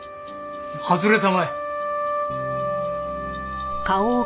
外れたまえ。